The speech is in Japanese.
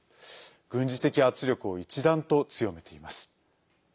軍事的圧力を一段と強めています。